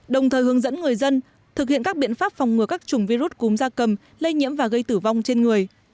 đồng thời hướng dẫn người dân thực hiện các biện pháp phòng ngừa các chủng virus cúm da cầm lây nhiễm và gây tử vong trên người